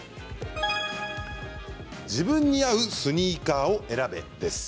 自分に合うスニーカーを選べです。